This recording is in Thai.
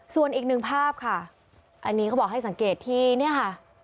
ส่วนอีกหนึ่งภาพค่ะอันนี้เขาบอกให้สังเกตที่เนี่ยค่ะ